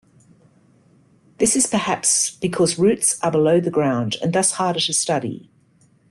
This is perhaps because roots are below the ground and thus harder to study.